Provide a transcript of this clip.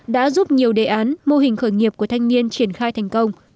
đã giúp nhiều đề án mô hình khởi nghiệp của thanh niên triển khai thành công